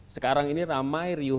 sekarang ini ramai riuh